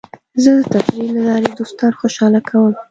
زه د تفریح له لارې دوستان خوشحاله کوم.